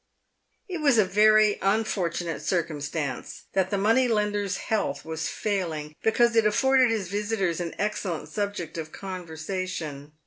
It was a very fortunate circumstance that the money lender's health was failing, because it afforded his visitors an excellent subject of conversation.